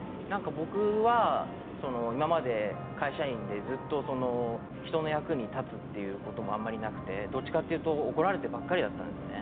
僕は今まで会社員でずっと人の役に立つということもあまりなくて、どちらかというと怒られてばかりだったんですね。